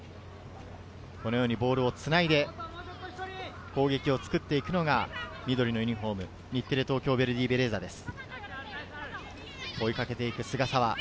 ボールをつないで攻撃を作っていくのが緑のユニホーム、日テレ・東京ヴェルディベレーザです。